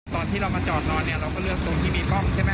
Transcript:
ตอนที่เรามาจอดนอนเนี่ยเราก็เลือกตรงที่มีกล้องใช่ไหม